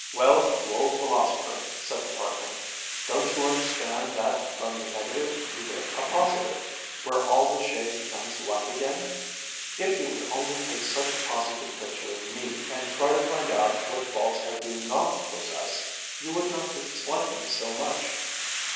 "Well, you old philosopher," said the partner, "don't you understand that from the negative you get a positive, where all the shade becomes light again? If you would only take such a positive picture of me and try and find out what faults I do not possess, you would not dislike me so much.